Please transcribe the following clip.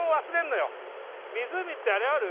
ってあれある？